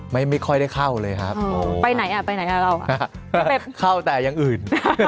ไม่ค่อยได้เข้าเลยครับไปไหนอ่ะไปไหนกับเราอ่ะเข้าแต่อย่างอื่น